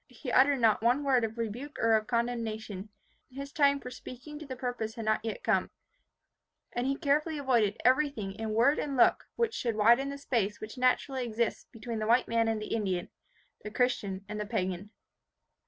He uttered not one word of rebuke or of condemnation; his time for speaking to the purpose had not yet come; and he carefully avoided everything in word and look which should widen the space which naturally exists between the white man and the Indian, the Christian and the pagan.